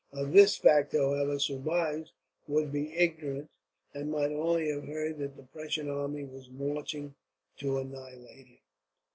Of this fact, however, Soubise would be ignorant, and might only have heard that the Prussian army was marching to annihilate him.